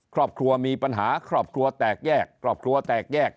ครอบครัวมีปัญหาครอบครัวแตกแยกครอบครัวแตกแยก